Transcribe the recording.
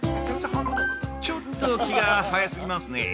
◆ちょっと気が早過ぎますね。